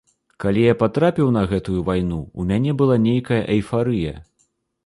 Калі я патрапіў на гэтую вайну, у мяне была нейкая эйфарыя.